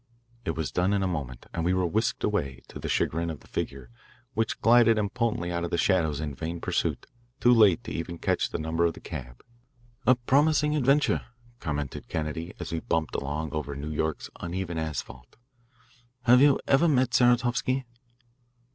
It was done in a moment, and we were whisked away, to the chagrin of the figure, which glided impotently out of the shadow in vain pursuit, too late even to catch the number of the cab. "A promising adventure," commented Kennedy, as we bumped along over New York's uneven asphalt. "Have you ever met Saratovsky?"